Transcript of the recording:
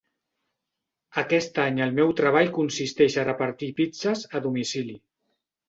Aquest any el meu treball consisteix a repartir pizzes a domicili.